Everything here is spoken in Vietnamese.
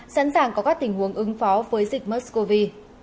sẵn sàng có các tình huống ứng phó với dịch mersco